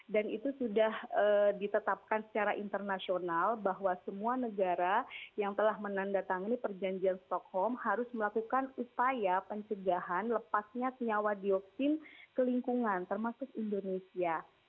dan itu sudah ditetapkan secara internasional bahwa semua negara yang telah menandatangani perjanjian stockholm harus melakukan upaya pencegahan lepasnya kenyawa dioksin ke lingkungan termasuk indonesia